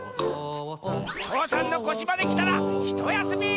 父山のこしまできたらひとやすみ！